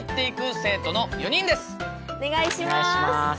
お願いします！